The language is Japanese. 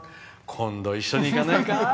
今度一緒に行かないか？